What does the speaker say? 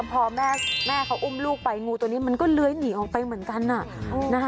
พอแม่เขาอุ้มลูกไปงูตัวนี้มันก็เลื้อยหนีออกไปเหมือนกัน